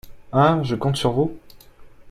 Hein ? je compte sur vous.